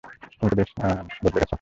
তুমি তো পুরোই পাল্টে গেছ।